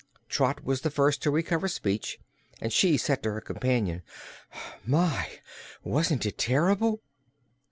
Trot was the first to recover speech, and she said to her companion: "My! wasn't it terr'ble?"